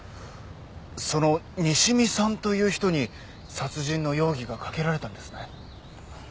その西見さんという人に殺人の容疑が掛けられたんですね？